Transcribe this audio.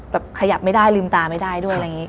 แบบขยับไม่ได้ลืมตาไม่ได้ด้วยอะไรอย่างนี้